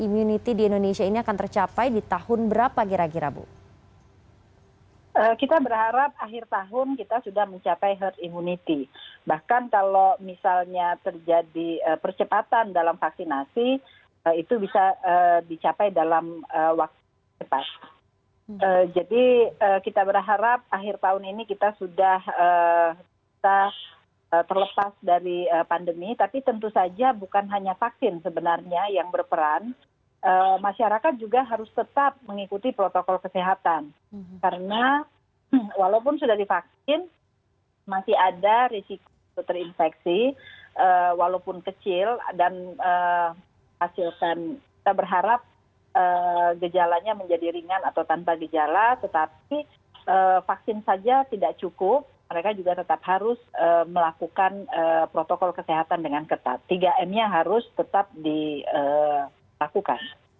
masih ada risiko terinfeksi walaupun kecil dan hasilkan kita berharap gejalanya menjadi ringan atau tanpa gejala tetapi vaksin saja tidak cukup mereka juga tetap harus melakukan protokol kesehatan dengan ketat tiga m nya harus tetap dilakukan